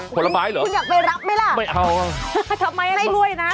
ผลไม้เหรอไม่เอาทำไมให้กล้วยนะคุณอยากไปรับไหมล่ะ